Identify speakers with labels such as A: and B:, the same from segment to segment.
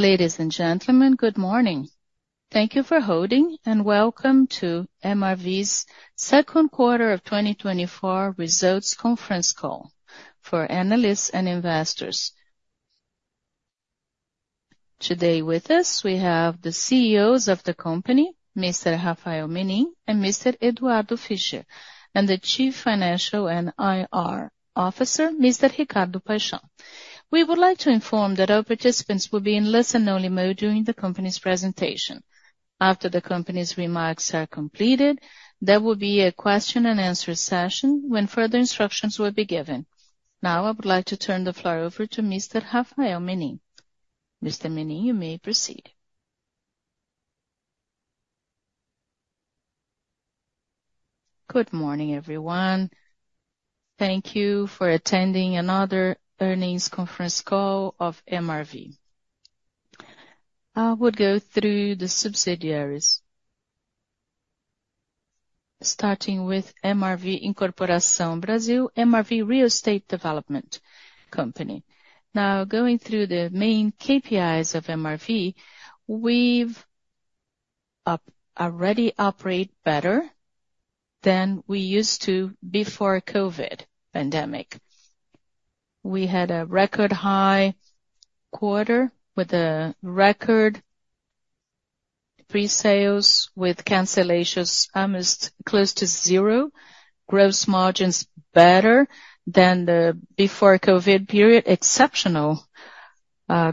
A: Ladies and gentlemen, good morning. Thank you for holding, and welcome to MRV's second quarter of 2024 results conference call for analysts and investors. Today with us, we have the CEOs of the company, Mr. Rafael Menin and Mr. Eduardo Fischer, and the Chief Financial and IR Officer, Mr. Ricardo Paixão. We would like to inform that our participants will be in listen-only mode during the company's presentation. After the company's remarks are completed, there will be a question-and-answer session when further instructions will be given. Now, I would like to turn the floor over to Mr. Rafael Menin. Mr. Menin, you may proceed.
B: Good morning, everyone. Thank you for attending another earnings conference call of MRV. I would go through the subsidiaries. Starting with MRV Incorporação Brasil, MRV Real Estate development company. Now, going through the main KPIs of MRV, we've already operate better than we used to before COVID pandemic. We had a record high quarter with a record pre-sales, with cancellations almost close to zero, gross margins better than the before COVID period, exceptional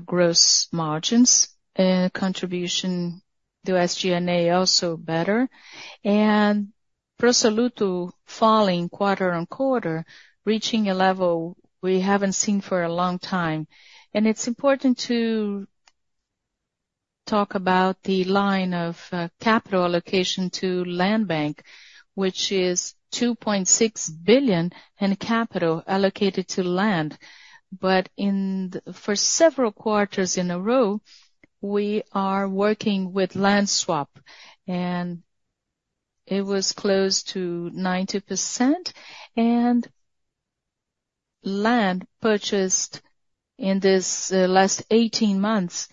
B: gross margins, and contribution to SG&A also better. Pro soluto falling quarter-on-quarter, reaching a level we haven't seen for a long time. It's important to talk about the line of capital allocation to land bank, which is 2.6 billion in capital allocated to land. But for several quarters in a row, we are working with land swap, and it was close to 90%. Land purchased in this last 18 months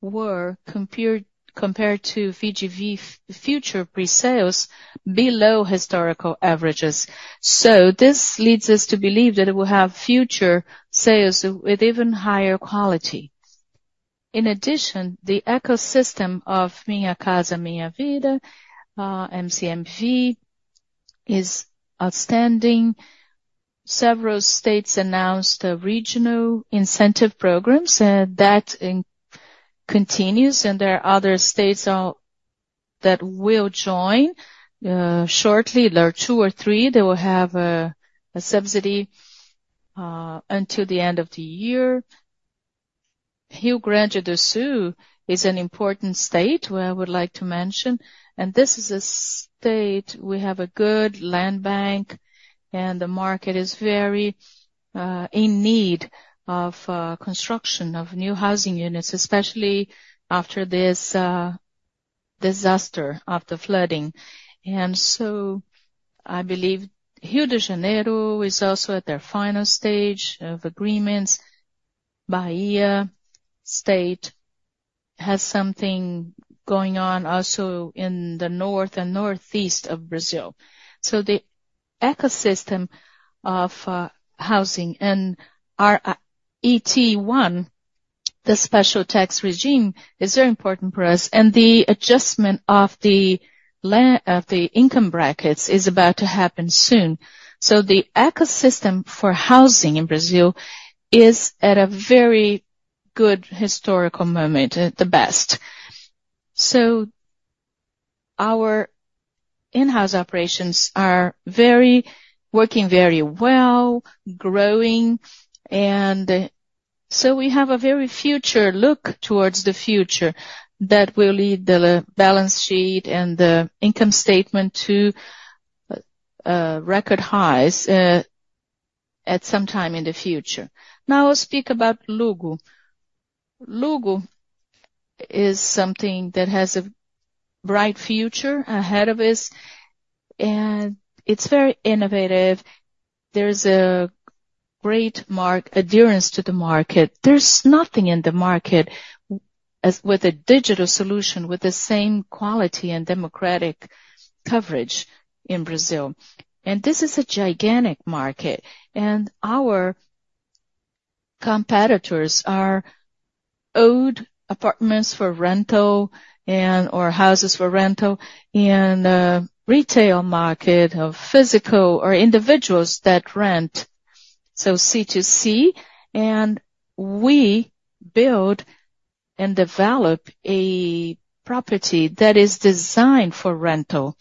B: were compared to VGV future pre-sales, below historical averages. So this leads us to believe that it will have future sales with even higher quality. In addition, the ecosystem of Minha Casa, Minha Vida, MCMV, is outstanding. Several states announced regional incentive programs that continues, and there are other states that will join shortly. There are two or three that will have a subsidy until the end of the year. Rio Grande do Sul is an important state, where I would like to mention, and this is a state we have a good land bank, and the market is very in need of construction of new housing units, especially after this disaster, after flooding. And so I believe Rio de Janeiro is also at their final stage of agreements. Bahia state has something going on also in the North and Northeast of Brazil. So the ecosystem of housing and our RET 1, the special tax regime, is very important for us, and the adjustment of the income brackets is about to happen soon. So the ecosystem for housing in Brazil is at a very good historical moment, the best. So our in-house operations are working very well, growing, and so we have a very future look towards the future that will lead the balance sheet and the income statement to record highs at some time in the future. Now, I'll speak about Luggo. Luggo is something that has a bright future ahead of us, and it's very innovative. There's a great market adherence to the market. There's nothing in the market with a digital solution, with the same quality and democratic coverage in Brazil. This is a gigantic market, and our competitors offer apartments for rental and/or houses for rental in a rental market for individuals that rent, so C2C. We build and develop a property that is designed for rental.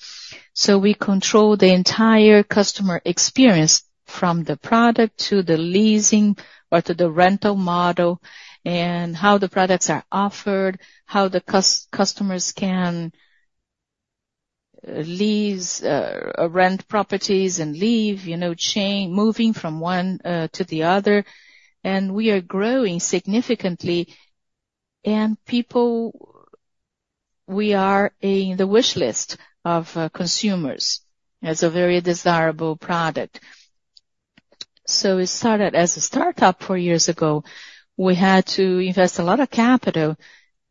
B: So we control the entire customer experience from the product to the leasing or to the rental model and how the products are offered, how the customers can lease or rent properties and leave, you know, moving from one to the other. We are growing significantly, and people—We are on the wish list of consumers, as a very desirable product. So it started as a startup four years ago. We had to invest a lot of capital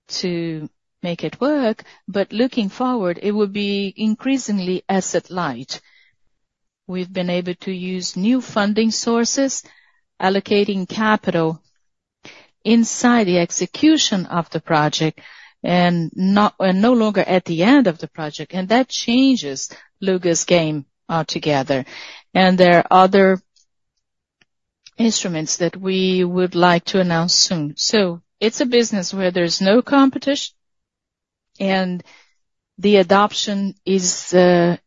B: to make it work, but looking forward, it would be increasingly asset light. We've been able to use new funding sources, allocating capital inside the execution of the project, and not no longer at the end of the project, and that changes Luggo's game altogether. There are other instruments that we would like to announce soon. It's a business where there's no competition, and the adoption is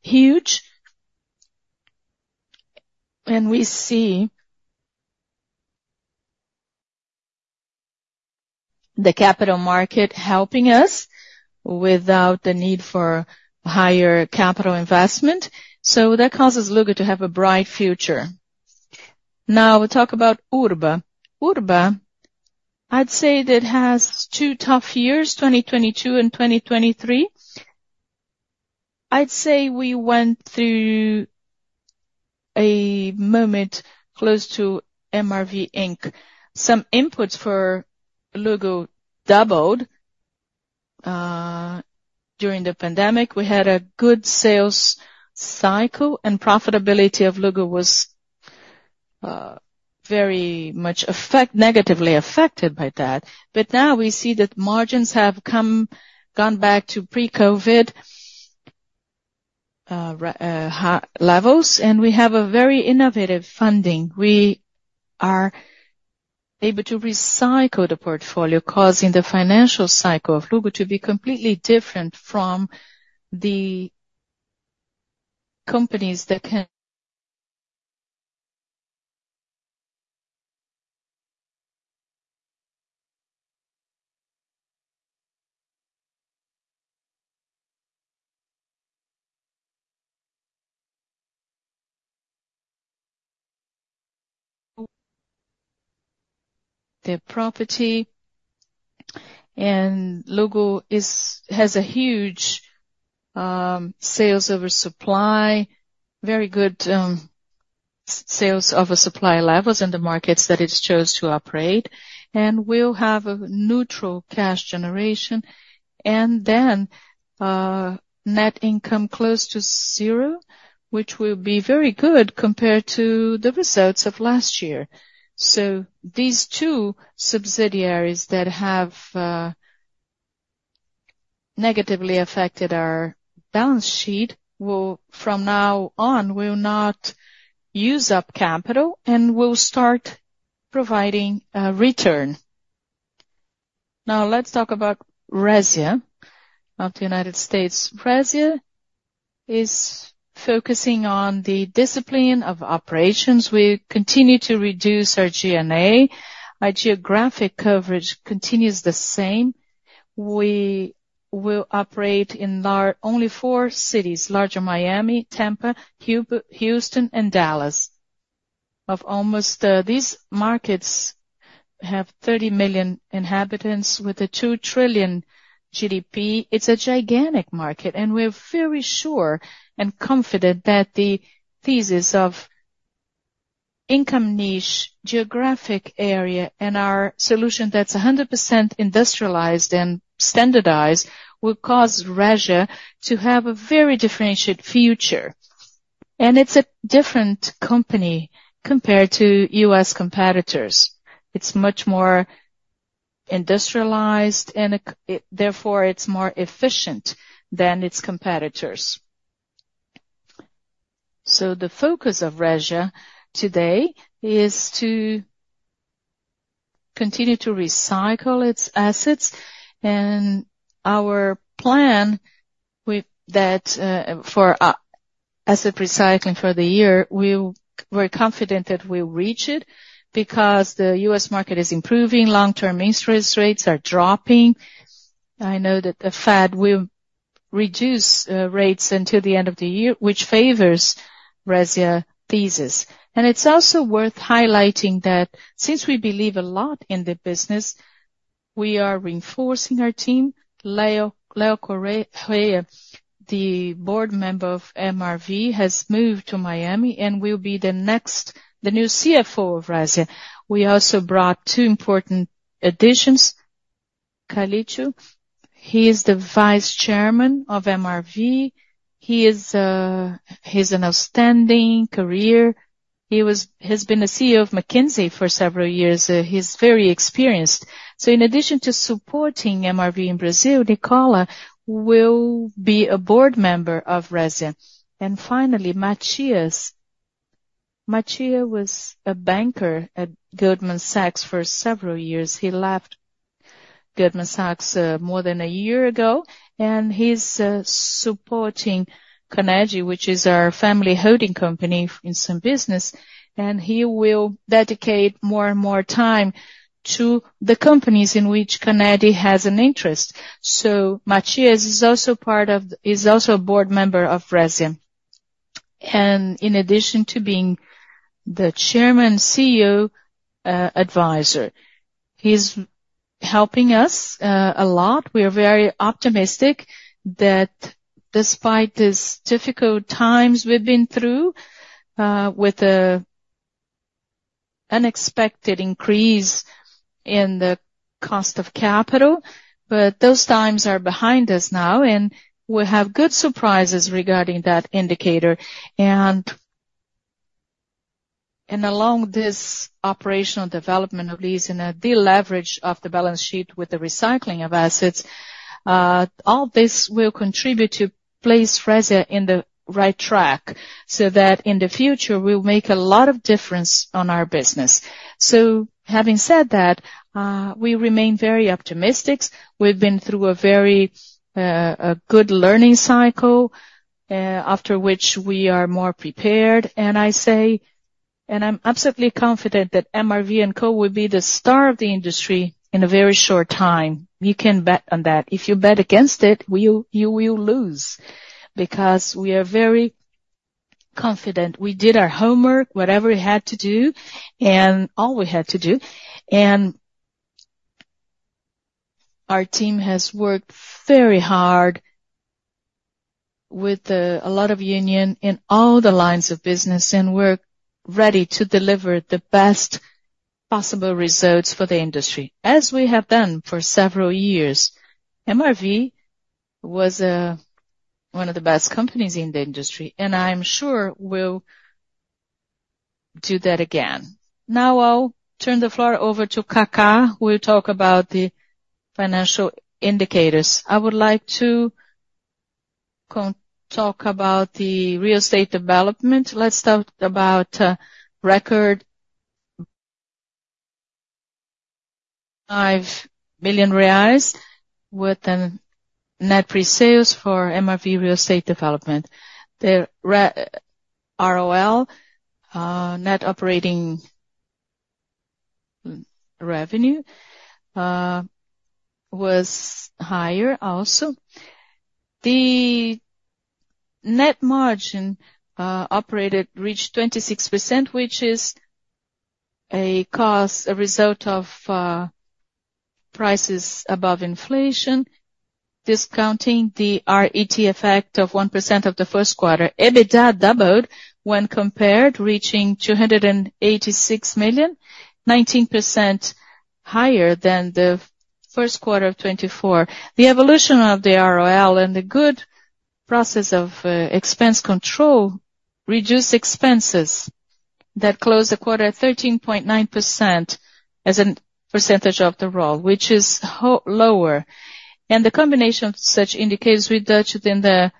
B: huge. We see the capital market helping us without the need for higher capital investment. That causes Luggo to have a bright future. Now, we talk about Urba. Urba, I'd say that has two tough years, 2022 and 2023. I'd say we went through a moment close to MRV Inc. Some inputs for Luggo doubled during the pandemic. We had a good sales cycle, and profitability of Luggo was very much affected negatively by that. But now we see that margins have come, gone back to pre-COVID, high levels, and we have a very innovative funding. We are able to recycle the portfolio, causing the financial cycle of Luggo to be completely different from the companies that can... The property, and Luggo is, has a huge, sales over supply, very good, sales over supply levels in the markets that it's chosen to operate, and we'll have a neutral cash generation, and then, net income close to zero, which will be very good compared to the results of last year. So these two subsidiaries that have, negatively affected our balance sheet will from now on, will not use up capital and will start providing, return. Now, let's talk about Resia of the United States. Resia is focusing on the discipline of operations. We continue to reduce our G&A. Our geographic coverage continues the same. We will operate in only four cities, larger Miami, Tampa, Houston, and Dallas. These markets have 30 million inhabitants with a $2 trillion GDP. It's a gigantic market, and we're very sure and confident that the thesis of income niche, geographic area, and our solution that's 100% industrialized and standardized, will cause Resia to have a very differentiated future. And it's a different company compared to U.S. competitors. It's much more industrialized and it, therefore, it's more efficient than its competitors. So the focus of Resia today is to continue to recycle its assets, and our plan with that for the year as a recycling for the year, we're confident that we'll reach it because the U.S. market is improving, long-term interest rates are dropping. I know that the Fed will reduce rates until the end of the year, which favors Resia thesis. It's also worth highlighting that since we believe a lot in the business, we are reinforcing our team. Leo Corrêa, the board member of MRV, has moved to Miami and will be the new CFO of Resia. We also brought two important additions. Nicola Calicchio, he is the Vice Chairman of MRV. He is, he's an outstanding career. He has been a CEO of McKinsey for several years. He's very experienced. So in addition to supporting MRV in Brazil, Nicola will be a board member of Resia. And finally, Matias Rotella. Matias was a banker at Goldman Sachs for several years. He left Goldman Sachs more than a year ago, and he's supporting Conedi, which is our family holding company in some business, and he will dedicate more and more time to the companies in which Conedi has an interest. So Matias is also part of the is also a board member of Resia. And in addition to being the chairman, CEO, advisor, he's helping us a lot. We are very optimistic that despite these difficult times we've been through with the unexpected increase in the cost of capital, but those times are behind us now, and we have good surprises regarding that indicator. Along this operational development, at least in a deleverage of the balance sheet with the recycling of assets, all this will contribute to place Resia on the right track, so that in the future, we'll make a lot of difference on our business. So having said that, we remain very optimistic. We've been through a very good learning cycle, after which we are more prepared, and I say, and I'm absolutely confident that MRV&CO. will be the star of the industry in a very short time. You can bet on that. If you bet against it, we—you will lose, because we are very confident. We did our homework, whatever we had to do and all we had to do, and our team has worked very hard with a lot of union in all the lines of business, and we're ready to deliver the best possible results for the industry, as we have done for several years. MRV was one of the best companies in the industry, and I'm sure we'll do that again. Now, I'll turn the floor over to Kaká, who will talk about the financial indicators.
C: I would like to talk about the real estate development. Let's talk about record 5 billion reais with a net pre-sales for MRV real estate development. The ROL, net operating revenue, was higher also. The net margin operated reached 26%, which is a good result of prices above inflation, discounting the RET effect of 1% of the first quarter. EBITDA doubled when compared, reaching 286 million, 19% higher than the first quarter of 2024. The evolution of the ROL and the good process of expense control reduced expenses that closed the quarter at 13.9% as a percentage of the ROL, which is lower. The combination of such indicators resulted in the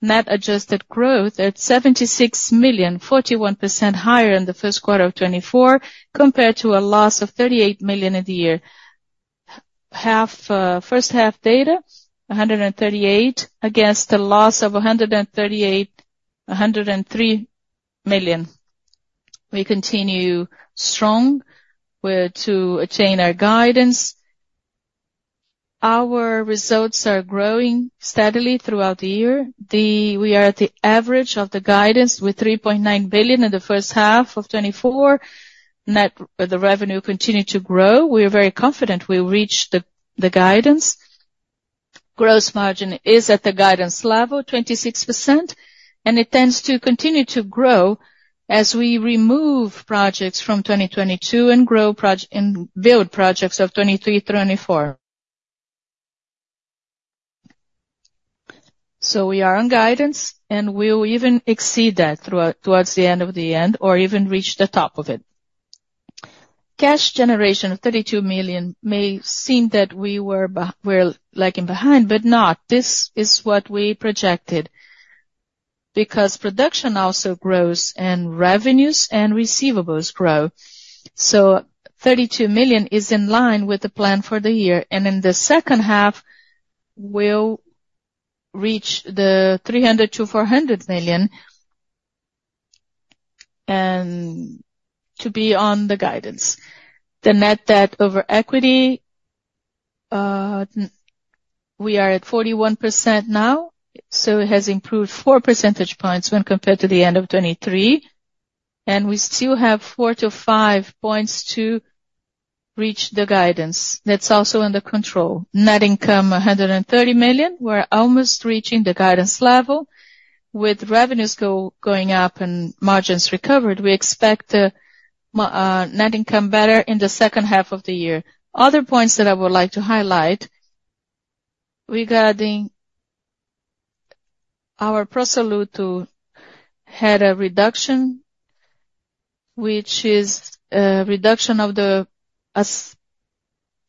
C: net adjusted growth at 76 million, 41% higher than the first quarter of 2024, compared to a loss of 38 million in the year. Half first half data, 138 million, against a loss of 103 million. We continue strong. We're to attain our guidance. Our results are growing steadily throughout the year. We are at the average of the guidance with 3.9 billion in the first half of 2024. Net revenue continued to grow. We are very confident we'll reach the guidance. Gross margin is at the guidance level, 26%, and it tends to continue to grow as we remove projects from 2022 and grow and build projects of 2023 to 2024. So we are on guidance, and we'll even exceed that towards the end of the year, or even reach the top of it. Cash generation of 32 million may seem that we're lagging behind, but not. This is what we projected, because production also grows and revenues and receivables grow. So 32 million is in line with the plan for the year, and in the second half, we'll reach BRL 300 million-BRL 400 million, and to be on the guidance. The net debt over equity, we are at 41% now, so it has improved four percentage points when compared to the end of 2023, and we still have 4 to 5 points to reach the guidance. That's also under control. Net income, 130 million. We're almost reaching the guidance level. With revenues going up and margins recovered, we expect, net income better in the second half of the year. Other points that I would like to highlight regarding our pro soluto had a reduction, which is a reduction of the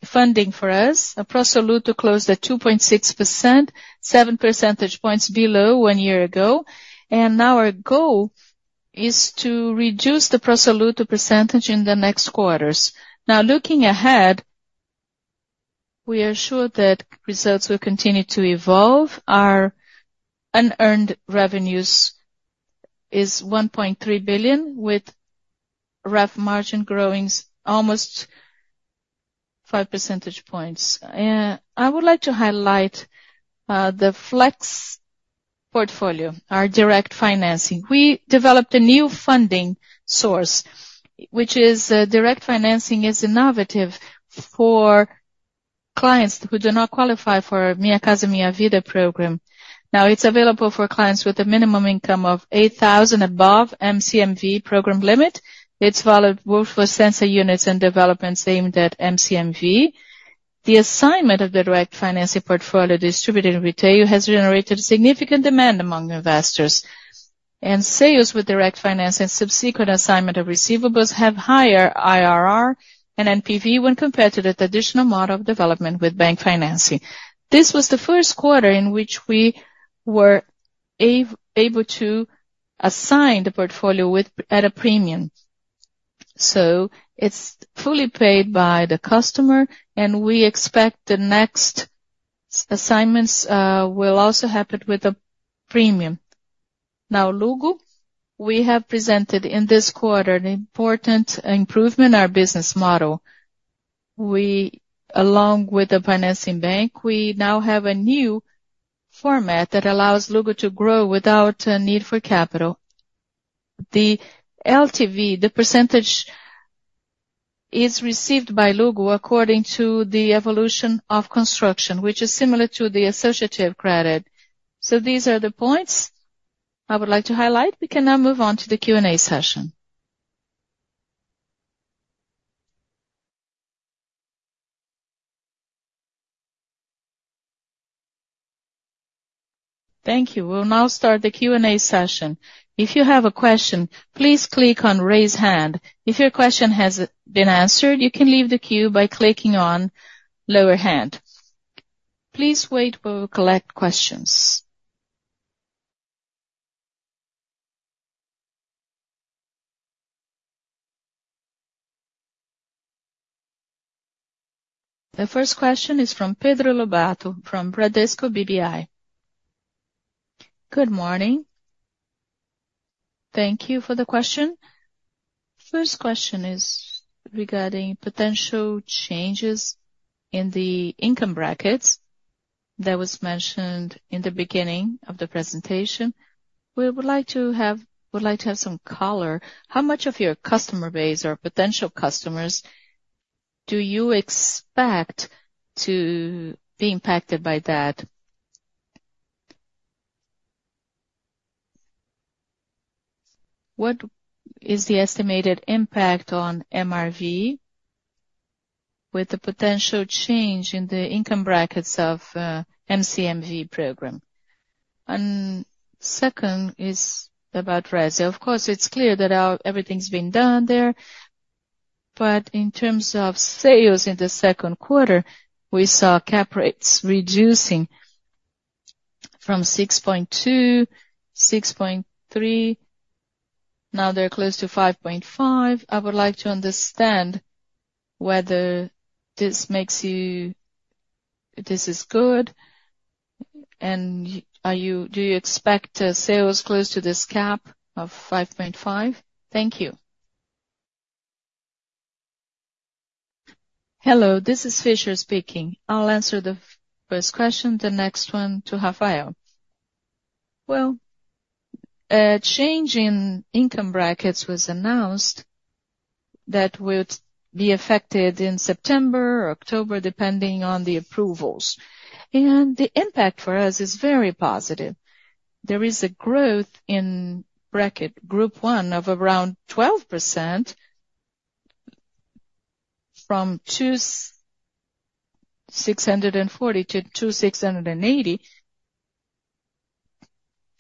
C: funding for us. Pro soluto closed at 2.6%, seven percentage points below one year ago, and now our goal is to reduce the pro soluto percentage in the next quarters. Now, looking ahead, we are sure that results will continue to evolve. Our unearned revenues is 1.3 billion, with REF margin growing almost five percentage points. I would like to highlight the Flex Portfolio, our direct financing. We developed a new funding source, which is direct financing is innovative for clients who do not qualify for Minha Casa, Minha Vida program. Now it's available for clients with a minimum income of 8,000 above MCMV program limit. It's valid both for Sensia units and developments aimed at MCMV. The assignment of the direct financing portfolio distributed in retail has generated significant demand among investors, and sales with direct finance and subsequent assignment of receivables have higher IRR and NPV when compared to the traditional model of development with bank financing. This was the first quarter in which we were able to assign the portfolio with a premium. So it's fully paid by the customer, and we expect the next assignments will also happen with a premium. Now, Luggo, we have presented in this quarter an important improvement in our business model. We, along with the financing bank, we now have a new format that allows Luggo to grow without a need for capital. The LTV, the percentage is received by Luggo according to the evolution of construction, which is similar to the associative credit. So these are the points I would like to highlight. We can now move on to the Q&A session.
A: Thank you. We'll now start the Q&A session. If you have a question, please click on Raise Hand. If your question has been answered, you can leave the queue by clicking on Lower Hand. Please wait while we collect questions. The first question is from Pedro Lobato, from Bradesco BBI.
D: Good morning. Thank you for the question. First question is regarding potential changes in the income brackets that was mentioned in the beginning of the presentation. We would like to have, would like to have some color. How much of your customer base or potential customers do you expect to be impacted by that? What is the estimated impact on MRV with the potential change in the income brackets of the MCMV program? And second is about Resia. Of course, it's clear that everything's been done there, but in terms of sales in the second quarter, we saw cap rates reducing from 6.2%-6.3%, now they're close to 5.5%. I would like to understand whether this makes you—If this is good, and do you expect sales close to this cap of 5.5%? Thank you.
E: Hello, this is Fischer speaking. I'll answer the first question, the next one to Rafael. Well, a change in income brackets was announced that would be affected in September or October, depending on the approvals. And the impact for us is very positive. There is a growth in bracket, Group 1, of around 12% from 2,640 to 2,680.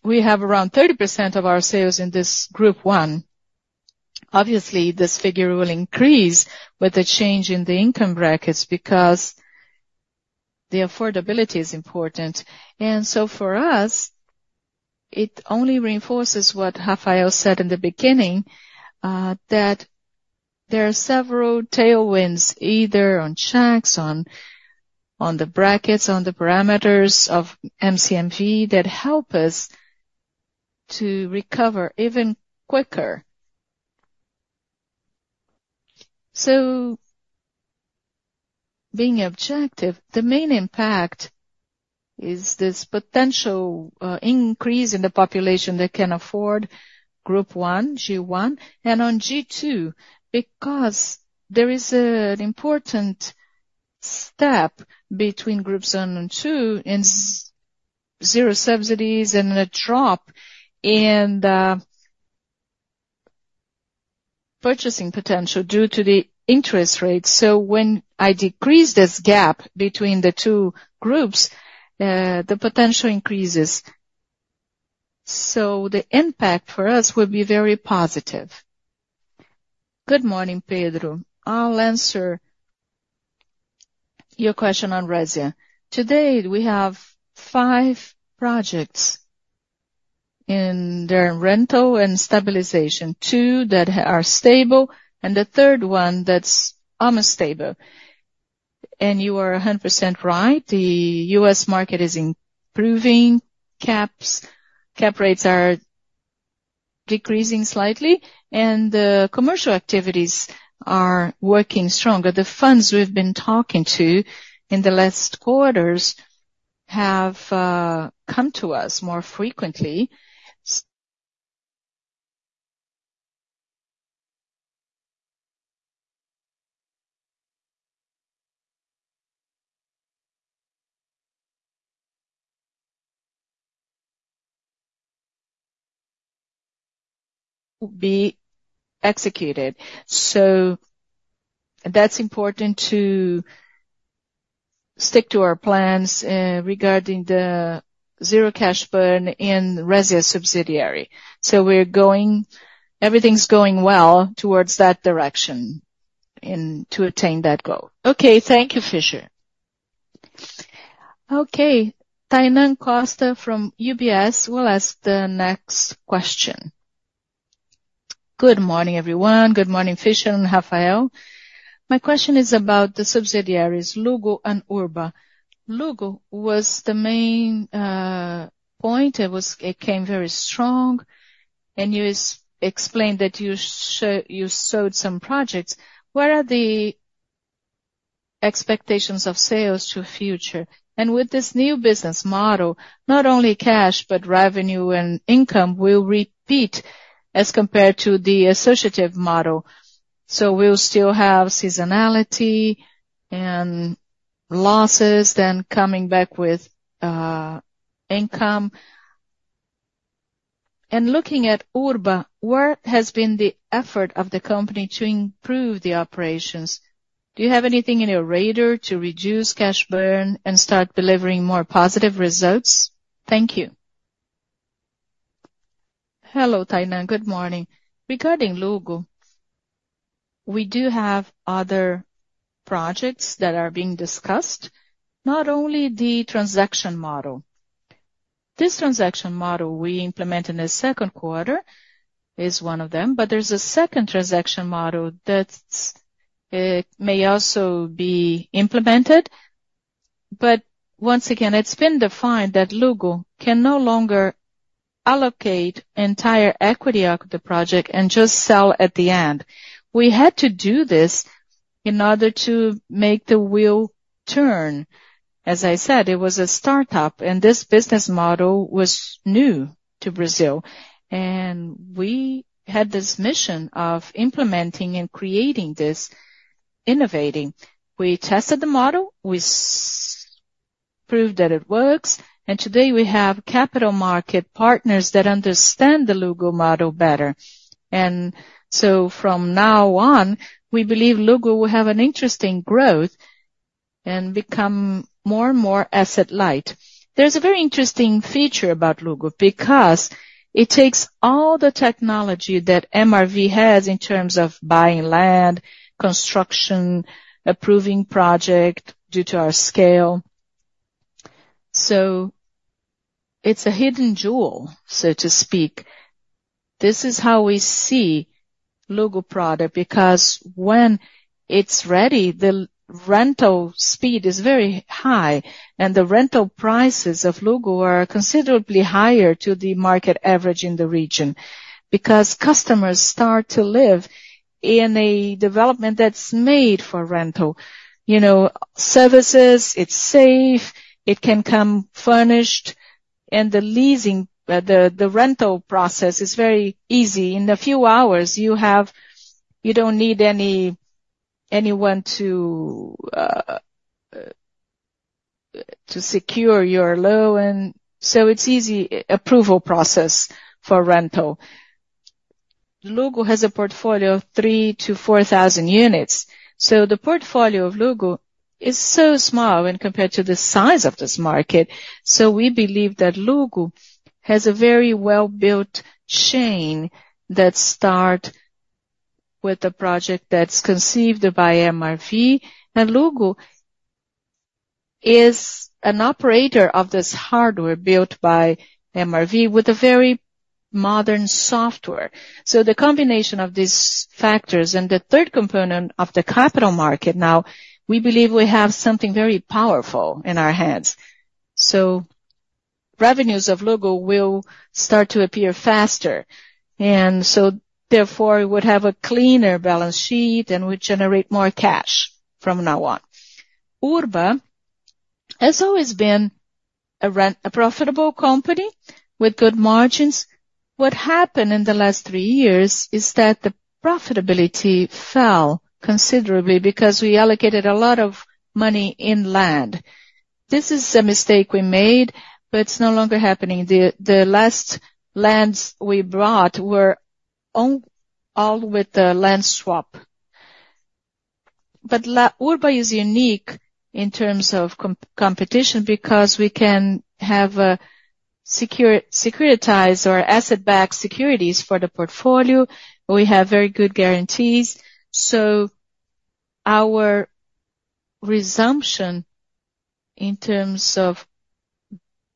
E: We have around 30% of our sales in this Group 1. Obviously, this figure will increase with the change in the income brackets because the affordability is important. And so for us, it only reinforces what Rafael said in the beginning, that there are several tailwinds, either on checks, on the brackets, on the parameters of MCMV, that help us to recover even quicker. So being objective, the main impact is this potential, increase in the population that can afford Group 1, G1, and on G2, because there is an important step between Groups 1 and 2 in zero subsidies and a drop in the purchasing potential due to the interest rates. So when I decrease this gap between the two groups, the potential increases. So the impact for us will be very positive.
B: Good morning, Pedro. I'll answer your question on Resia. To date, we have five projects in the rental and stabilization, two that are stable and the third one that's almost stable. You are 100% right, the U.S. market is improving, cap rates are decreasing slightly, and the commercial activities are working stronger. The funds we've been talking to in the last quarters have come to us more frequently. Be executed. That's important to stick to our plans regarding the zero cash burn in Resia subsidiary. We're going everything's going well towards that direction and to attain that goal.
D: Okay, thank you, Fischer.
A: Okay, Tainan Costa from UBS will ask the next question.
F: Good morning, everyone. Good morning, Fischer and Rafael. My question is about the subsidiaries, Luggo and Urba. Luggo was the main point. It was it came very strong, and you explained that you sowed some projects. What are the expectations of sales to future? And with this new business model, not only cash, but revenue and income will repeat as compared to the associative model. So we'll still have seasonality and losses, then coming back with income. And looking at Urba, where has been the effort of the company to improve the operations? Do you have anything in your radar to reduce cash burn and start delivering more positive results?
B: Thank you. Hello, Tainan. Good morning. Regarding Luggo, we do have other projects that are being discussed, not only the transaction model. This transaction model we implemented in the second quarter is one of them, but there's a second transaction model that's may also be implemented. But once again, it's been defined that Luggo can no longer allocate entire equity of the project and just sell at the end. We had to do this in order to make the wheel turn. As I said, it was a startup, and this business model was new to Brazil, and we had this mission of implementing and creating this innovating. We tested the model, we proved that it works, and today we have capital market partners that understand the Luggo model better. And so from now on, we believe Luggo will have an interesting growth and become more and more asset light. There's a very interesting feature about Luggo because it takes all the technology that MRV has in terms of buying land, construction, approving project, due to our scale. So it's a hidden jewel, so to speak. This is how we see Luggo product, because when it's ready, the rental speed is very high, and the rental prices of Luggo are considerably higher to the market average in the region. Because customers start to live in a development that's made for rental. You know, services, it's safe, it can come furnished, and the leasing, the rental process is very easy. In a few hours, you have. You don't need anyone to secure your loan. So it's easy approval process for rental. Luggo has a portfolio of 3,000-4,000 units, so the portfolio of Luggo is so small when compared to the size of this market. So we believe that Luggo has a very well-built chain that start with a project that's conceived by MRV. And Luggo is an operator of this hardware built by MRV with a very modern software. So the combination of these factors and the third component of the capital market, now, we believe we have something very powerful in our hands. So revenues of Luggo will start to appear faster. And so therefore, we would have a cleaner balance sheet, and we generate more cash from now on. Urba has always been a profitable company with good margins. What happened in the last three years is that the profitability fell considerably because we allocated a lot of money in land. This is a mistake we made, but it's no longer happening. The last lands we brought were all with the land swap. But Urba is unique in terms of competition, because we can have a securitize or asset-backed securities for the portfolio. We have very good guarantees. So our resumption in terms of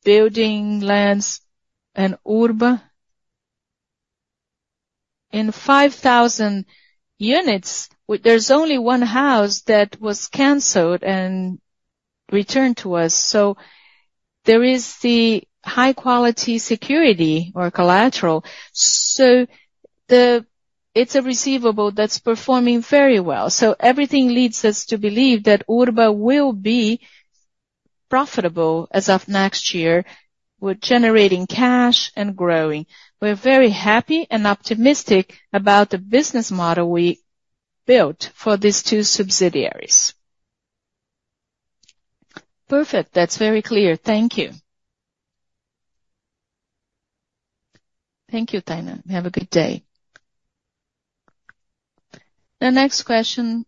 B: building lands and Urba in 5,000 units, there's only one house that was canceled and returned to us. So there is the high quality security or collateral. So it's a receivable that's performing very well. So everything leads us to believe that Urba will be profitable as of next year. We're generating cash and growing. We're very happy and optimistic about the business model we built for these two subsidiaries.
F: Perfect. That's very clear. Thank you.
B: Thank you, Tainan. Have a good day.
A: The next question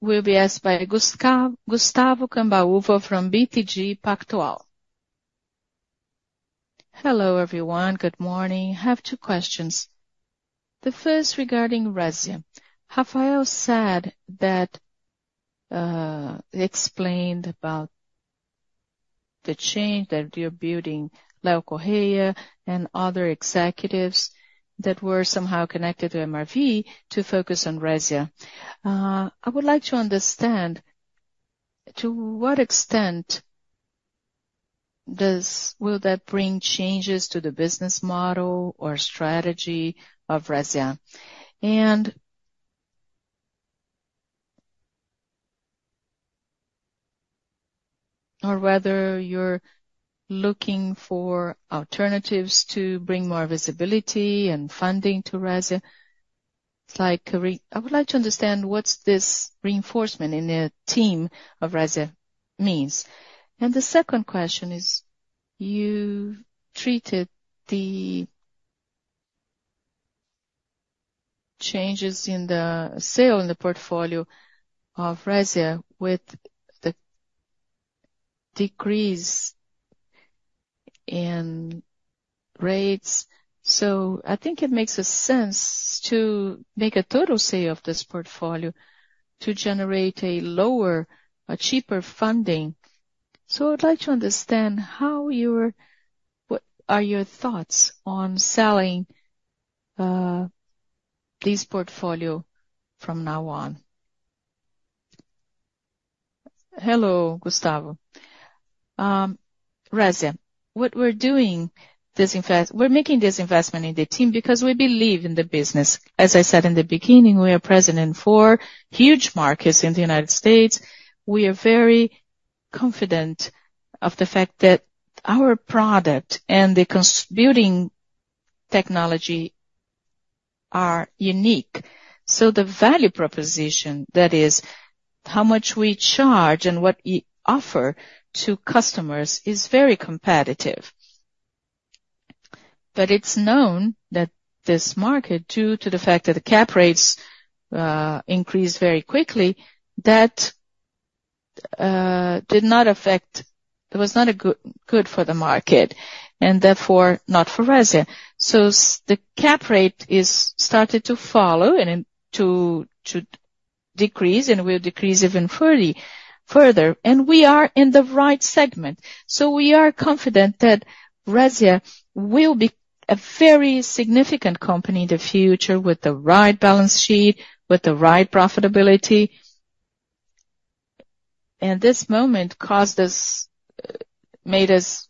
A: will be asked by Gustavo Cambauva from BTG Pactual.
G: Hello, everyone. Good morning. I have two questions. The first regarding Resia. Rafael said that explained about the change, that you're building Leo Corrêa and other executives that were somehow connected to MRV to focus on Resia. I would like to understand, to what extent will that bring changes to the business model or strategy of Resia? Or whether you're looking for alternatives to bring more visibility and funding to Resia. It's like I would like to understand what's this reinforcement in the team of Resia means. And the second question is, you treated the changes in the sale in the portfolio of Resia with the decrease in rates. So I think it makes a sense to make a total sale of this portfolio to generate a lower, a cheaper funding. So I would like to understand how you're what are your thoughts on selling this portfolio from now on?
B: Hello, Gustavo. Resia, what we're doing, this investment we're making in the team because we believe in the business. As I said in the beginning, we are present in four huge markets in the United States. We are very confident of the fact that our product and the construction building technology are unique. So the value proposition, that is, how much we charge and what we offer to customers, is very competitive. But it's known that this market, due to the fact that the cap rates increased very quickly, that did not affect. It was not a good for the market and therefore not for Resia. So the cap rate is started to follow and then to decrease, and will decrease even further. And we are in the right segment. So we are confident that Resia will be a very significant company in the future with the right balance sheet, with the right profitability. And this moment caused us, made us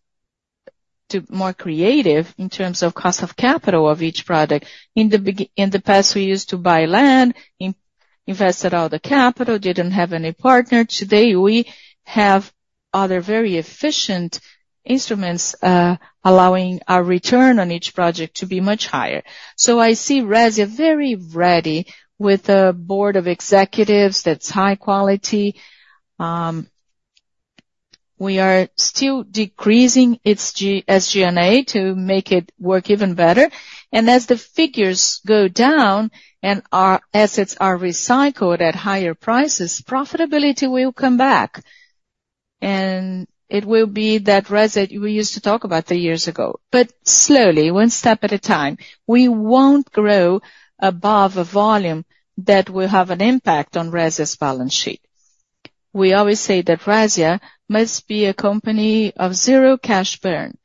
B: to more creative in terms of cost of capital of each product. In the past, we used to buy land, invested all the capital, didn't have any partner. Today, we have other very efficient instruments, allowing our return on each project to be much higher. So I see Resia very ready with a board of executives that's high quality. We are still decreasing its SG&A to make it work even better. And as the figures go down and our assets are recycled at higher prices, profitability will come back, and it will be that Resia we used to talk about three years ago, but slowly, one step at a time. We won't grow above a volume that will have an impact on Resia's balance sheet. We always say that Resia must be a company of zero cash burn.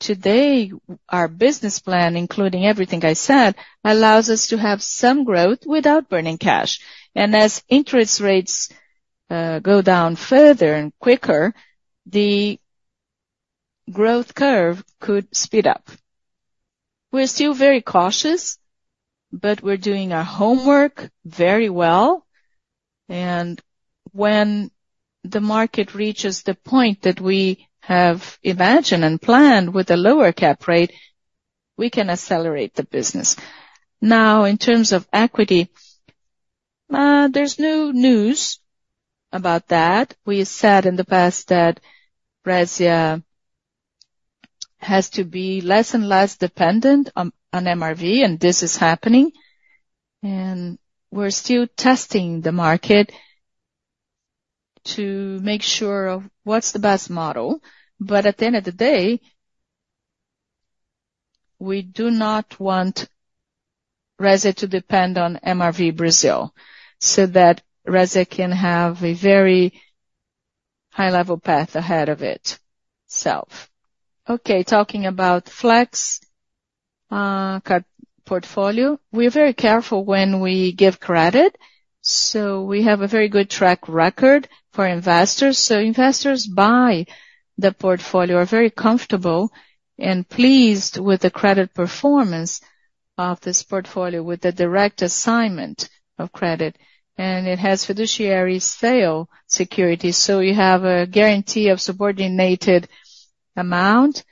B: Today, our business plan, including everything I said, allows us to have some growth without burning cash. And as interest rates go down further and quicker, the growth curve could speed up. We're still very cautious, but we're doing our homework very well. And when the market reaches the point that we have imagined and planned with a lower cap rate, we can accelerate the business. Now, in terms of equity, there's no news about that. We said in the past that Resia has to be less and less dependent on MRV, and this is happening. And we're still testing the market to make sure of what's the best model. But at the end of the day, we do not want Resia to depend on MRV Brazil, so that Resia can have a very high-level path ahead of itself. Okay, talking about Flex, credit portfolio, we're very careful when we give credit, so we have a very good track record for investors. So investors buy the portfolio, are very comfortable and pleased with the credit performance of this portfolio, with the direct assignment of credit. And it has fiduciary sale security, so you have a guarantee of subordinated amount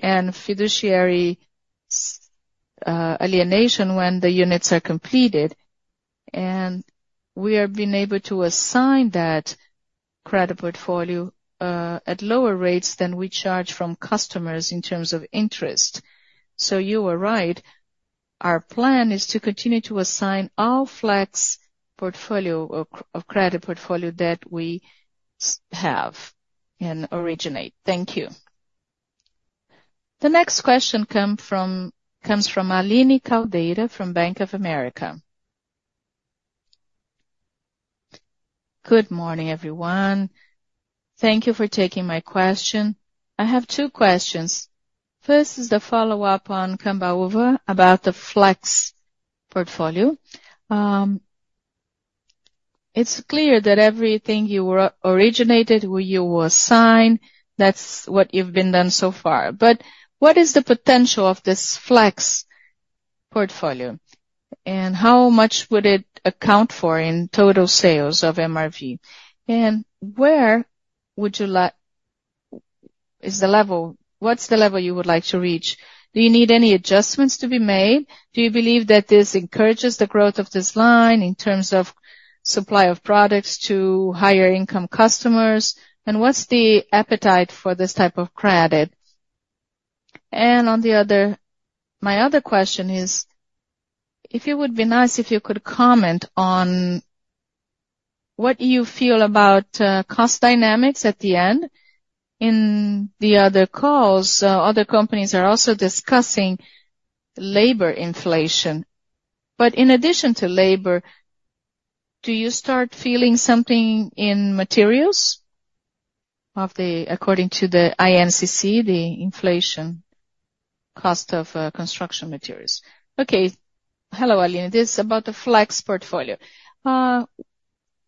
B: and fiduciary alienation when the units are completed. And we have been able to assign that credit portfolio at lower rates than we charge from customers in terms of interest. So you were right. Our plan is to continue to assign all Flex Portfolio of credit portfolio that we have and originate. Thank you.
A: The next question comes from Aline Caldeira from Bank of America.
H: Good morning, everyone. Thank you for taking my question. I have two questions. First is the follow-up on Cambauva about the Flex Portfolio. It's clear that everything you originated, where you assign, that's what you've been done so far. But what is the potential of this Flex Portfolio? And how much would it account for in total sales of MRV? And where would you like--is the level--what's the level you would like to reach? Do you need any adjustments to be made? Do you believe that this encourages the growth of this line in terms of supply of products to higher income customers? And what's the appetite for this type of credit? And on the other... My other question is, if it would be nice, if you could comment on what you feel about cost dynamics at the end. In the other calls, other companies are also discussing labor inflation. But in addition to labor, do you start feeling something in materials of the--according to the INCC, the inflation cost of construction materials?
C: Okay. Hello, Aline. This is about the Flex Portfolio.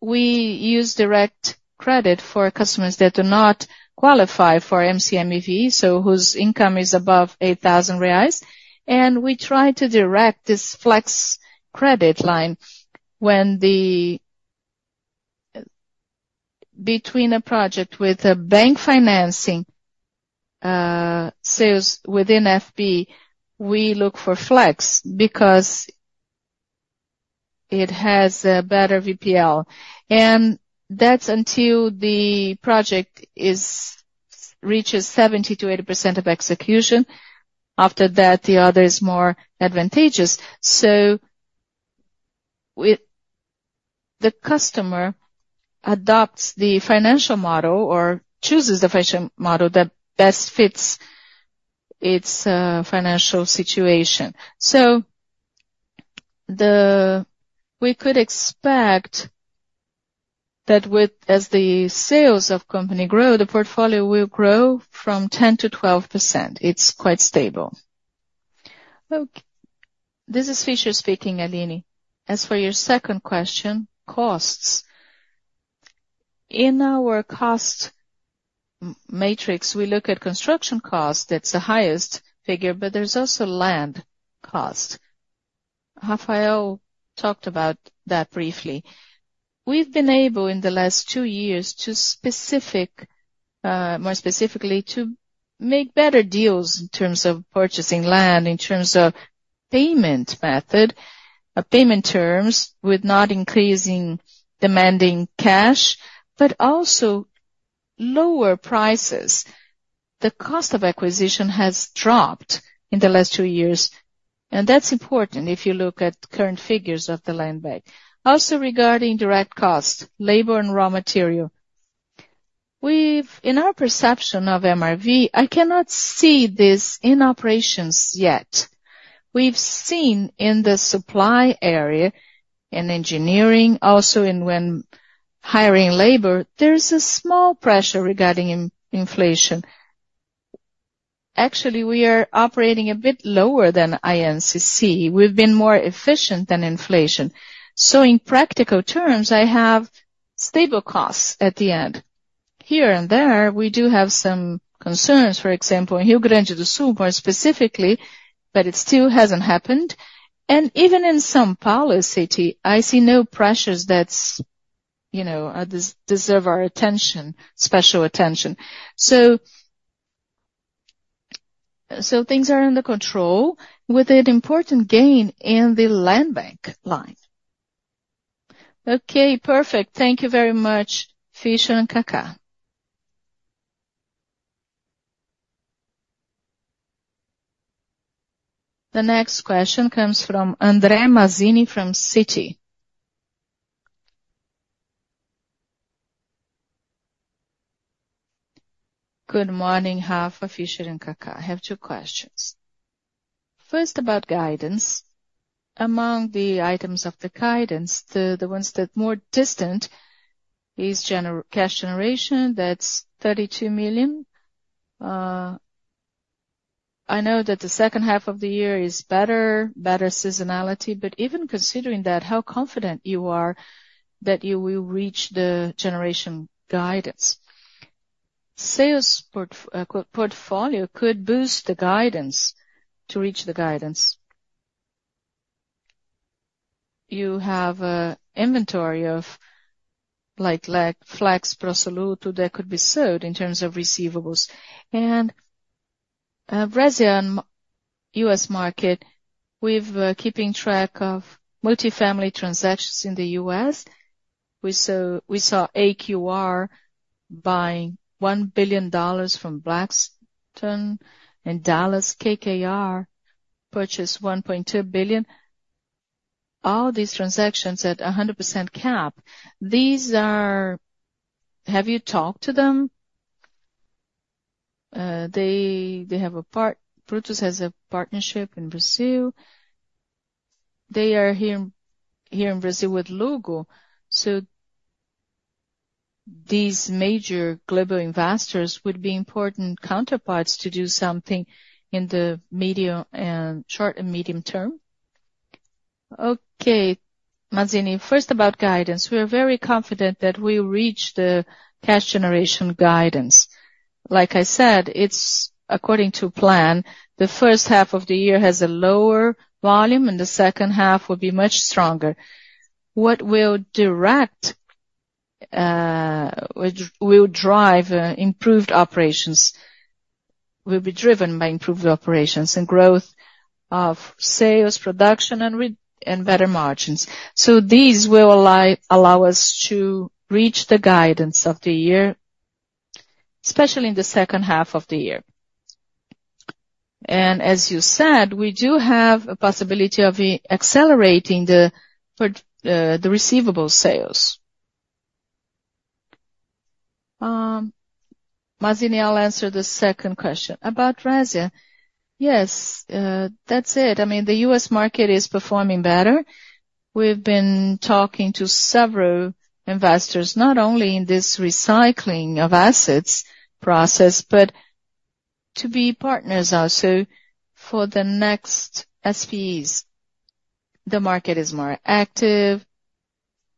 C: We use direct credit for customers that do not qualify for MCMV, so whose income is above 8,000 reais, and we try to direct this flex credit line when between a project with a bank financing, sales within FB, we look for flex because it has a better VPL. And that's until the project reaches 70%-80% of execution. After that, the other is more advantageous. So the customer adopts the financial model or chooses the financial model that best fits its financial situation. So we could expect that with as the sales of company grow, the portfolio will grow from 10%-12%. It's quite stable.
E: Look, this is Fischer speaking, Aline. As for your second question, costs. In our cost matrix, we look at construction cost, that's the highest figure, but there's also land cost. Rafael talked about that briefly. We've been able, in the last two years, to specify, more specifically, to make better deals in terms of purchasing land, in terms of payment method, payment terms, with not increasing demanding cash, but also lower prices. The cost of acquisition has dropped in the last two years, and that's important if you look at current figures of the land bank. Also, regarding direct costs, labor and raw material. We have, in our perception of MRV, I cannot see this in operations yet. We've seen in the supply area, in engineering, also in when hiring labor, there is a small pressure regarding inflation. Actually, we are operating a bit lower than INCC. We've been more efficient than inflation. So in practical terms, I have stable costs at the end. Here and there, we do have some concerns, for example, in Rio Grande do Sul, more specifically, but it still hasn't happened. And even in São Paulo City, I see no pressures that's, you know, deserve our attention, special attention. So things are under control with an important gain in the land bank line.
H: Okay, perfect. Thank you very much, Fischer and Kaká.
A: The next question comes from André Mazzini from Citi.
I: Good morning, Rafael, Fischer and Kaká. I have two questions. First, about guidance. Among the items of the guidance, the ones that more distant is cash generation, that's BRL 32 million. I know that the second half of the year is better seasonality, but even considering that, how confident you are that you will reach the generation guidance? Sales portfolio could boost the guidance to reach the guidance. You have an inventory of like Flex pro soluto that could be sold in terms of receivables. Resia, U.S. market, we've keeping track of multifamily transactions in the U.S. We saw EQR buying $1 billion from Blackstone and Dallas KKR purchased $1.2 billion. All these transactions at 100% cap. These are... Have you talked to them? They, they have a part- Brutus has a partnership in Brazil. They are here in Brazil with Luggo. So these major global investors would be important counterparts to do something in the medium and short and medium term?
C: Okay, Mazzini. First, about guidance. We are very confident that we'll reach the cash generation guidance. Like I said, it's according to plan. The first half of the year has a lower volume, and the second half will be much stronger. Which will drive improved operations, will be driven by improved operations and growth of sales, production, and better margins. So these will allow us to reach the guidance of the year, especially in the second half of the year. And as you said, we do have a possibility of accelerating the receivable sales.
B: Mazzini, I'll answer the second question. About Resia. Yes, that's it. I mean, the U.S. market is performing better. We've been talking to several investors, not only in this recycling of assets process, but to be partners also for the next SPEs. The market is more active,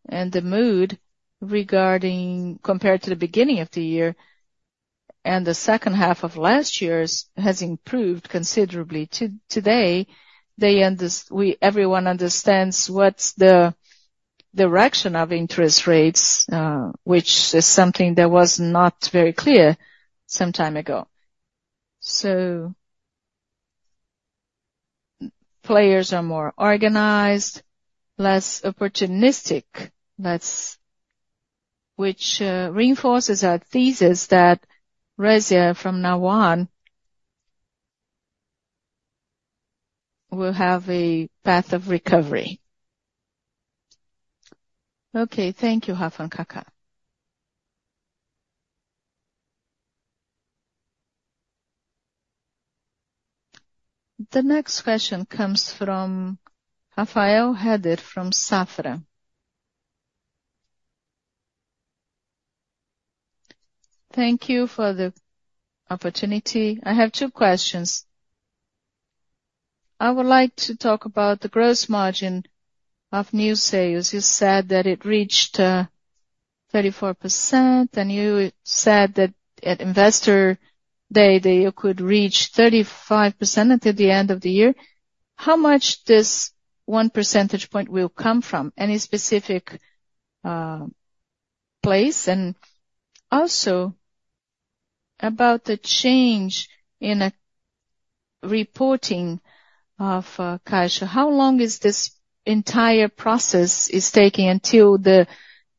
B: and the mood regarding compared to the beginning of the year and the second half of last year's has improved considerably. Today, everyone understands what's the direction of interest rates, which is something that was not very clear some time ago. So, players are more organized, less opportunistic. That which reinforces our thesis that Resia, from now on, will have a path of recovery.
I: Okay, thank you, Rafael, Kaká.
A: The next question comes from Rafael Rehder from Safra.
J: Thank you for the opportunity. I have two questions. I would like to talk about the gross margin of new sales. You said that it reached 34%, and you said that at Investor Day, that you could reach 35% until the end of the year. How much this one percentage point will come from? Any specific place? About the change in reporting of cash, how long is this entire process taking until the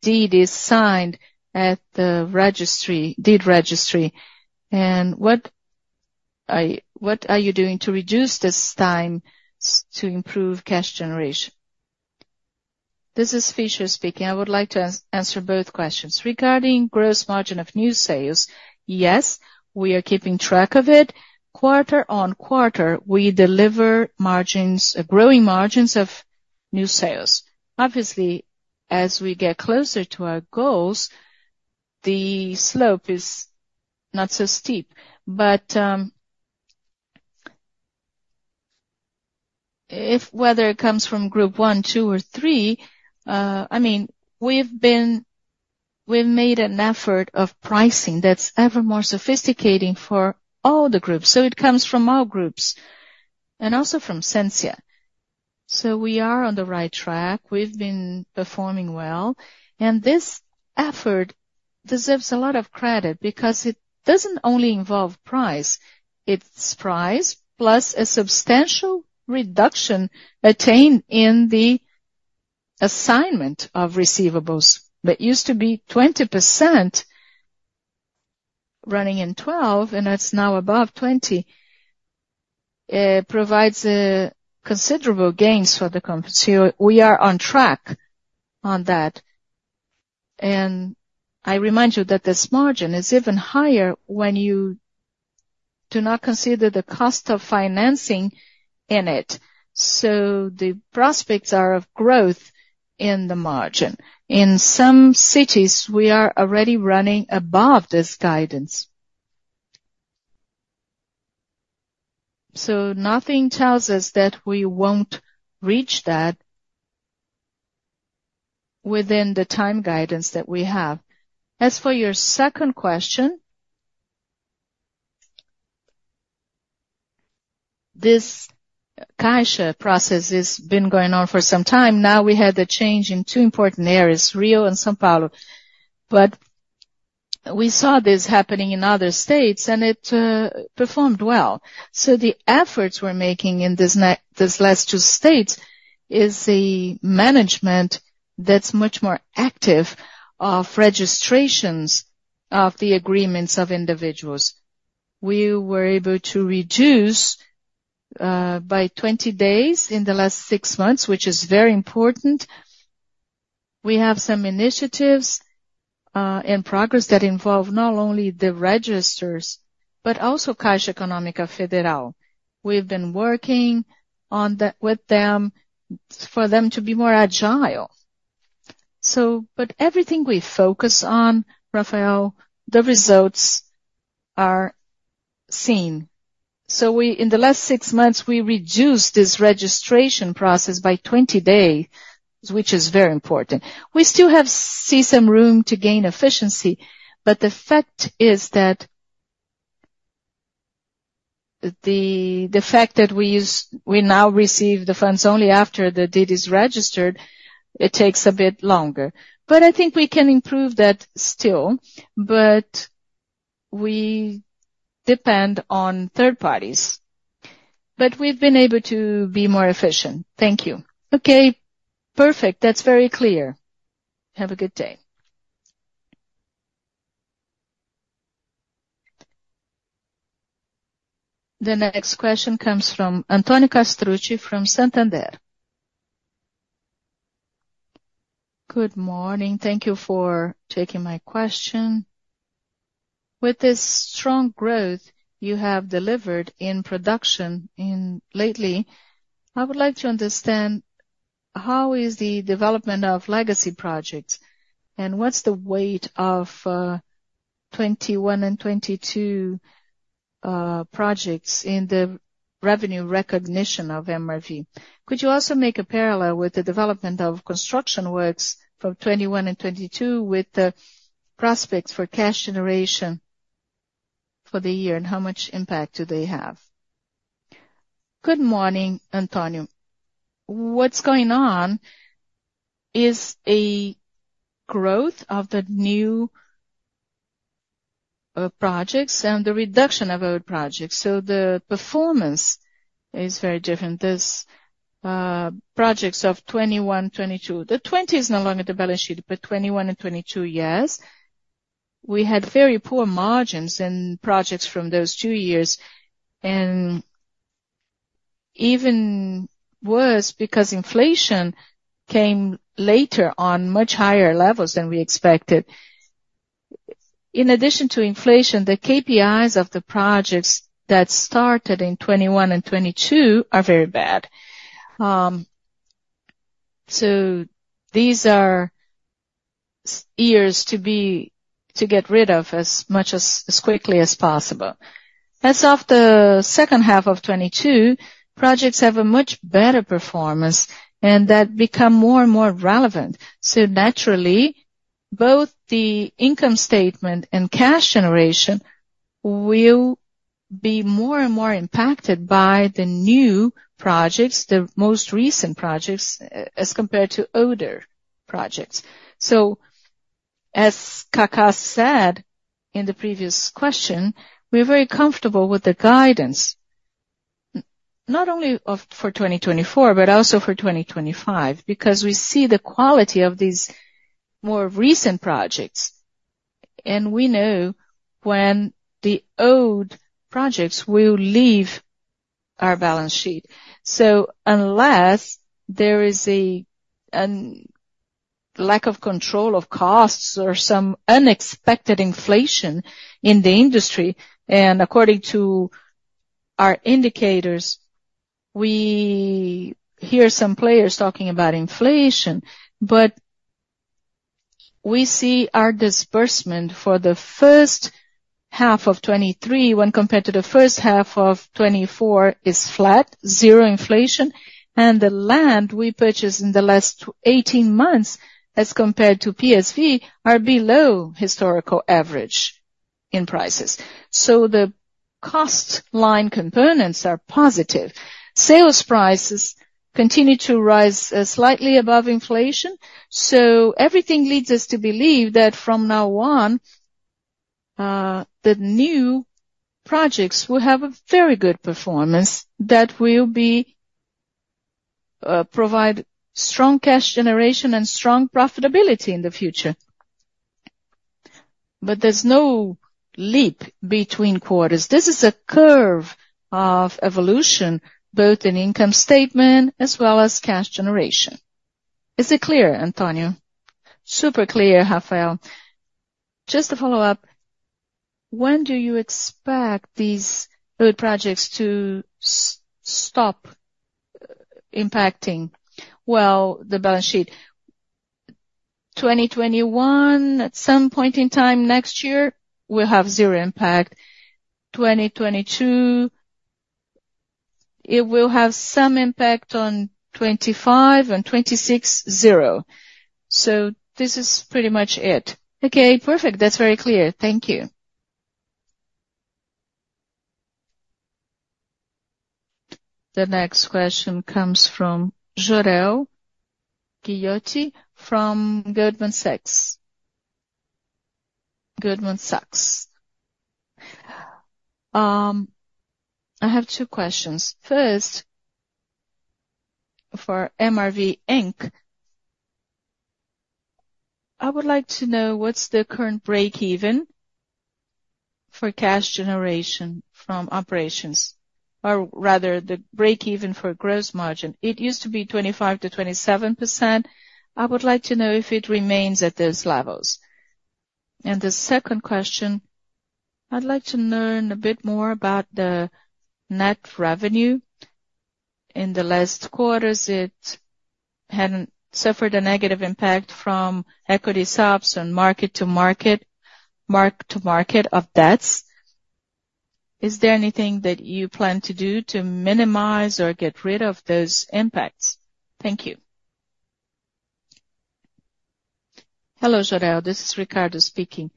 J: deed is signed at the registry, deed registry? And what are you doing to reduce this time to improve cash generation?
E: This is Fischer speaking. I would like to answer both questions. Regarding gross margin of new sales, yes, we are keeping track of it. Quarter-on-quarter, we deliver growing margins of new sales. Obviously, as we get closer to our goals, the slope is not so steep. But whether it comes from group one, two, or three, I mean, we've made an effort of pricing that's ever more sophisticated for all the groups, so it comes from all groups and also from Sensia. So we are on the right track. We've been performing well, and this effort deserves a lot of credit because it doesn't only involve price, it's price plus a substantial reduction attained in the assignment of receivables. That used to be 20%, running in 12%, and that's now above 20%, provides a considerable gains for the company. So we are on track on that. And I remind you that this margin is even higher when you do not consider the cost of financing in it. So the prospects are of growth in the margin. In some cities, we are already running above this guidance. So nothing tells us that we won't reach that within the time guidance that we have. As for your second question, this Caixa process has been going on for some time now. We had a change in two important areas, Rio and São Paulo. But we saw this happening in other states, and it performed well. So the efforts we're making in these last two states is a management that's much more active of registrations of the agreements of individuals. We were able to reduce by 20 days in the last six months, which is very important. We have some initiatives in progress that involve not only the registers, but also Caixa Econômica Federal. We've been working with them for them to be more agile. So but everything we focus on, Rafael, the results are seen. So we in the last six months, we reduced this registration process by 20 days, which is very important. We still have to see some room to gain efficiency, but the fact is that the fact that we now receive the funds only after the deed is registered, it takes a bit longer. But I think we can improve that still, but we depend on third parties. But we've been able to be more efficient. Thank you.
J: Okay, perfect. That's very clear. Have a good day.
A: The next question comes from Antonio Castrucci, from Santander.
K: Good morning. Thank you for taking my question. With this strong growth you have delivered in production lately, I would like to understand how is the development of legacy projects, and what's the weight of 2021 and 2022 projects in the revenue recognition of MRV? Could you also make a parallel with the development of construction works from 2021 and 2022, with the prospects for cash generation for the year, and how much impact do they have?
B: Good morning, Antonio. What's going on is a growth of the new projects and the reduction of old projects. So the performance is very different. These projects of 2021, 2022... The 2020 is no longer the balance sheet, but 2021 and 2022, yes. We had very poor margins in projects from those two years, and even worse, because inflation came later on much higher levels than we expected. In addition to inflation, the KPIs of the projects that started in 2021 and 2022 are very bad. So these are years to get rid of as much as, as quickly as possible. As of the second half of 2022, projects have a much better performance, and that become more and more relevant. So naturally, both the income statement and cash generation will be more and more impacted by the new projects, the most recent projects, as compared to older projects. So as Kaká said in the previous question, we're very comfortable with the guidance, not only for 2024, but also for 2025, because we see the quality of these more recent projects, and we know when the old projects will leave our balance sheet. So unless there is a lack of control of costs or some unexpected inflation in the industry, and according to our indicators, we hear some players talking about inflation, but we see our disbursement for the first half of 2023, when compared to the first half of 2024, is flat, zero inflation. The land we purchased in the last 18 months, as compared to PSV, are below historical average in prices. So the cost line components are positive. Sales prices continue to rise, slightly above inflation. So everything leads us to believe that from now on, the new projects will have a very good performance that will be, provide strong cash generation and strong profitability in the future. But there's no leap between quarters. This is a curve of evolution, both in income statement as well as cash generation. Is it clear, Antonio?
K: Super clear, Rafael. Just to follow up, when do you expect these old projects to stop impacting?
B: Well, the balance sheet, 2021, at some point in time next year, we'll have zero impact. 2022, it will have some impact on 2025 and 2026, zero. So this is pretty much it.
K: Okay, perfect. That's very clear. Thank you.
A: The next question comes from Jorel Guilloty from Goldman Sachs. Goldman Sachs.
L: I have two questions. First, for MRV Inc. I would like to know what's the current breakeven for cash generation from operations, or rather, the breakeven for gross margin? It used to be 25%-27%. I would like to know if it remains at those levels. And the second question, I'd like to learn a bit more about the net revenue. In the last quarters, it hadn't suffered a negative impact from equity subs on mark-to-market of debts. Is there anything that you plan to do to minimize or get rid of those impacts? Thank you.
C: Hello, Jorel, this is Ricardo speaking.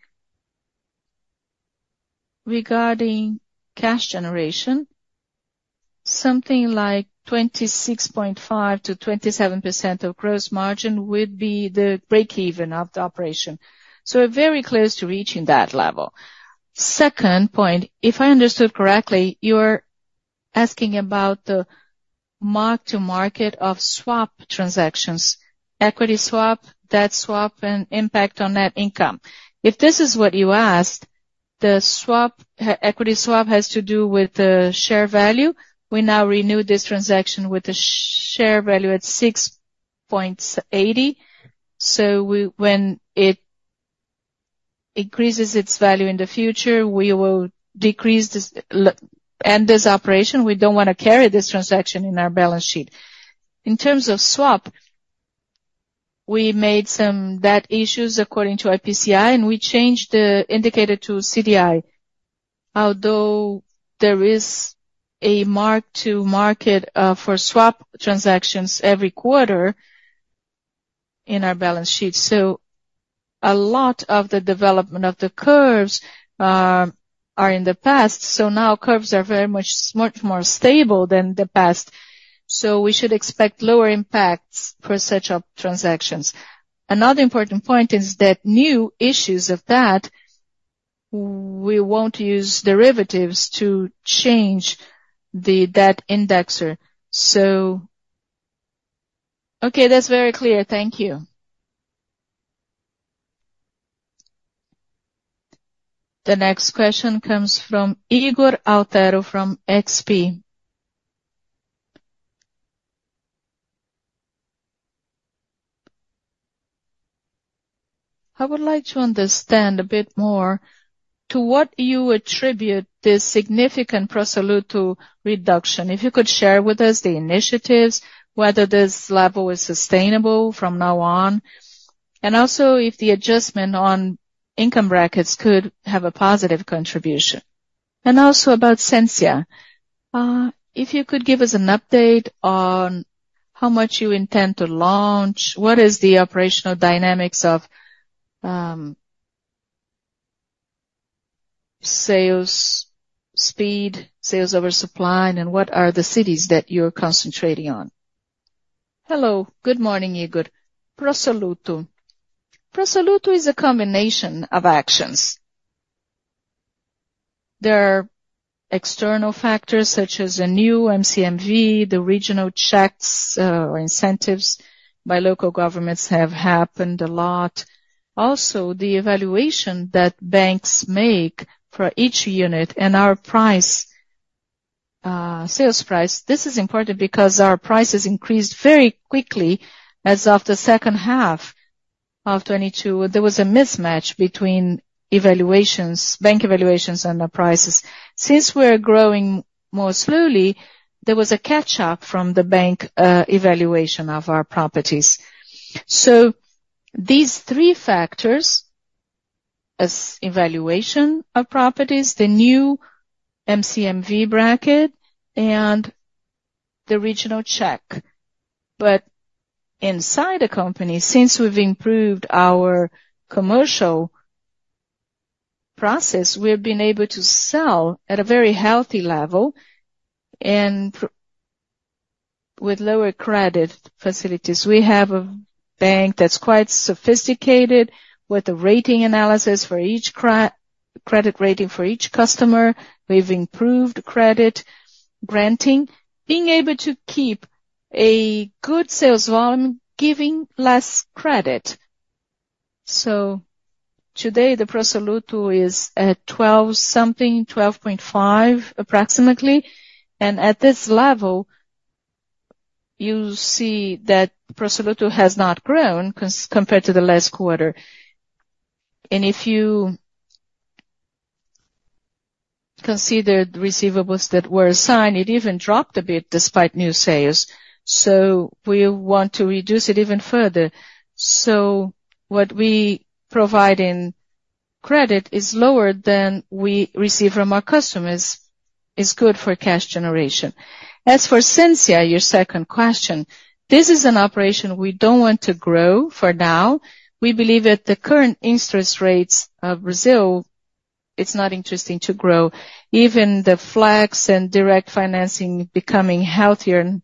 C: Regarding cash generation, something like 26.5%-27% of gross margin would be the breakeven of the operation, so we're very close to reaching that level. Second point, if I understood correctly, you're asking about the mark-to-market of swap transactions, equity swap, debt swap, and impact on net income. If this is what you asked, the swap, equity swap has to do with the share value. We now renew this transaction with a share value at 6.80. So we, when it increases its value in the future, we will decrease this end this operation. We don't wanna carry this transaction in our balance sheet. In terms of swap, we made some bad issues according to IPCA, and we changed the indicator to CDI. Although there is a mark-to-market for swap transactions every quarter in our balance sheet, so a lot of the development of the curves are in the past. So now curves are very much more stable than the past. So we should expect lower impacts for such a transactions. Another important point is that new issues of that, we won't use derivatives to change the debt indexer.
L: So, okay, that's very clear. Thank you.
A: The next question comes from Ygor Altero, from XP.
M: I would like to understand a bit more to what you attribute this significant pro soluto reduction. If you could share with us the initiatives, whether this level is sustainable from now on, and also if the adjustment on income brackets could have a positive contribution? And also about Sensia. If you could give us an update on how much you intend to launch, what is the operational dynamics of, sales speed, sales over supply, and what are the cities that you're concentrating on?
B: Hello, good morning, Ygor. Pro soluto. Pro soluto is a combination of actions. There are external factors such as the new MCMV, the regional checks, or incentives by local governments have happened a lot. Also, the evaluation that banks make for each unit and our price, sales price, this is important because our prices increased very quickly as of the second half of 2022. There was a mismatch between evaluations, bank evaluations and the prices. Since we're growing more slowly, there was a catch-up from the bank evaluation of our properties. So these three factors, as evaluation of properties, the new MCMV bracket and the regional check. But inside the company, since we've improved our commercial process, we've been able to sell at a very healthy level and with lower credit facilities. We have a bank that's quite sophisticated with the rating analysis for each credit rating for each customer. We've improved credit granting, being able to keep a good sales volume, giving less credit. So today, the pro soluto is at 12% something, 12.5%, approximately. And at this level, you see that pro soluto has not grown compared to the last quarter. And if you consider the receivables that were assigned, it even dropped a bit despite new sales, so we want to reduce it even further. So what we provide in credit is lower than we receive from our customers, is good for cash generation. As for Sensia, your second question, this is an operation we don't want to grow for now. We believe at the current interest rates of Brazil, it's not interesting to grow. Even the flags and direct financing becoming healthier and,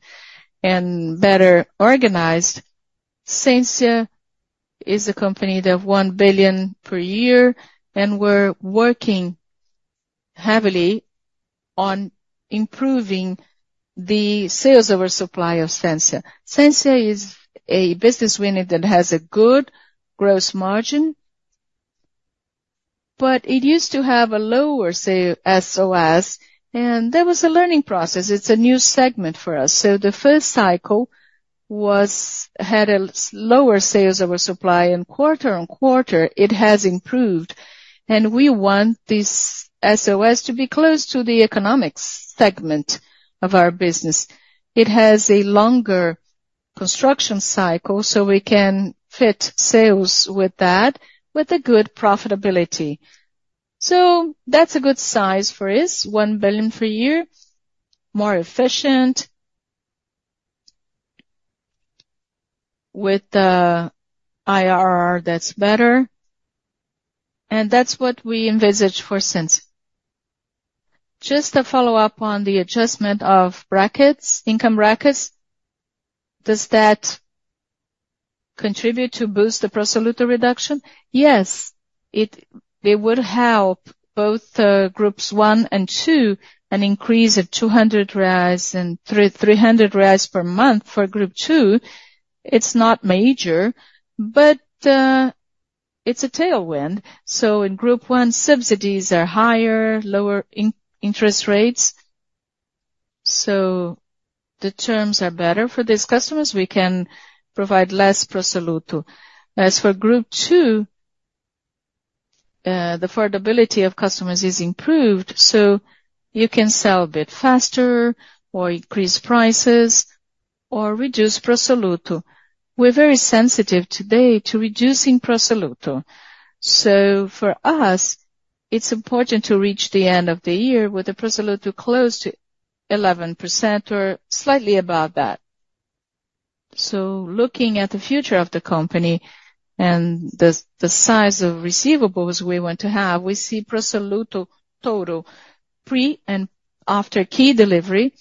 B: and better organized. Sensia is a company of 1 billion per year, and we're working heavily on improving the sales over supply of Sensia. Sensia is a business unit that has a good gross margin, but it used to have a lower sales, SOS, and there was a learning process. It's a new segment for us. So the first cycle had a lower sales over supply, and quarter-on-quarter, it has improved. And we want this SOS to be close to the economics segment of our business. It has a longer construction cycle, so we can fit sales with that with a good profitability. So that's a good size for us, 1 billion per year, more efficient with the IRR that's better, and that's what we envisage for Sensia.
M: Just to follow up on the adjustment of brackets, income brackets, does that contribute to boost the pro soluto reduction?
B: Yes, they would help both Group 1 and 2, an increase of 200 reais and 300 reais per month for Group 2. It's not major, but it's a tailwind. So in Group 1, subsidies are higher, lower interest rates, so the terms are better for these customers. We can provide less pro soluto. As for Group 2, the affordability of customers is improved, so you can sell a bit faster or increase prices or reduce pro soluto. We're very sensitive today to reducing pro soluto. So for us, it's important to reach the end of the year with the pro soluto close to 11% or slightly above that. So looking at the future of the company and the size of receivables we want to have, we see pro soluto total, pre and after key delivery.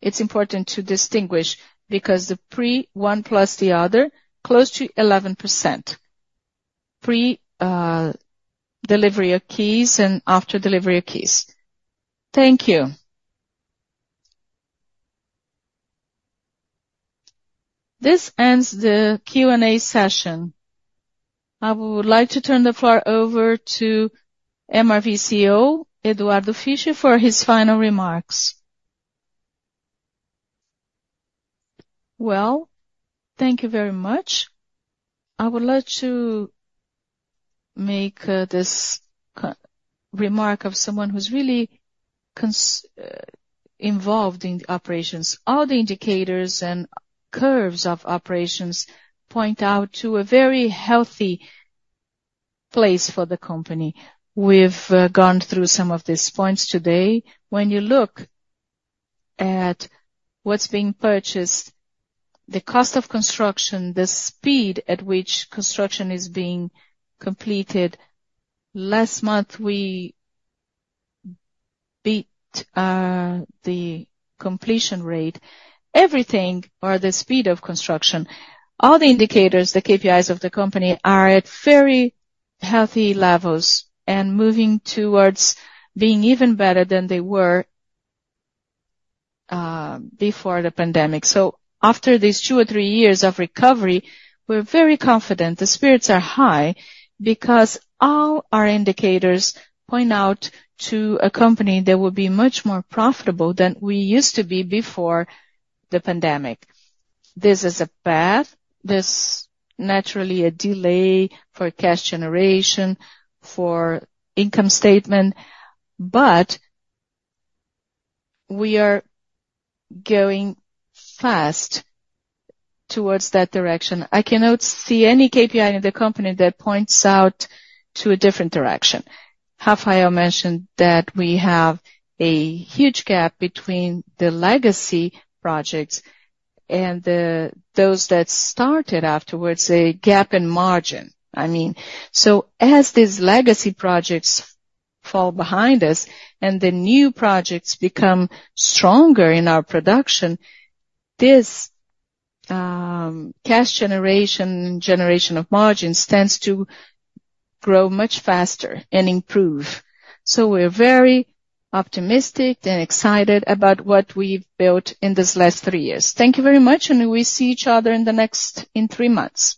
B: It's important to distinguish, because the pre, one plus the other, close to 11%. Pre-delivery of keys and after delivery of keys. Thank you.
A: This ends the Q&A session. I would like to turn the floor over to MRV CEO, Eduardo Fischer, for his final remarks.
E: Well, thank you very much. I would like to make this closing remark of someone who's really constantly involved in the operations. All the indicators and curves of operations point out to a very healthy place for the company. We've gone through some of these points today. When you look at what's being purchased, the cost of construction, the speed at which construction is being completed. Last month, we beat the completion rate, everything or the speed of construction. All the indicators, the KPIs of the company, are at very healthy levels and moving towards being even better than they were before the pandemic. So after these two or three years of recovery, we're very confident. The spirits are high because all our indicators point out to a company that will be much more profitable than we used to be before the pandemic. This is a path, there's naturally a delay for cash generation, for income statement, but we are going fast towards that direction. I cannot see any KPI in the company that points out to a different direction. Rafael mentioned that we have a huge gap between the legacy projects and those that started afterwards, a gap in margin, I mean. So as these legacy projects fall behind us and the new projects become stronger in our production, this, cash generation, generation of margins, tends to grow much faster and improve. So we're very optimistic and excited about what we've built in these last three years. Thank you very much, and we see each other in three months.